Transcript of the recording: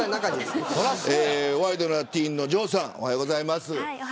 ワイドナティーンの城さんおはようございます。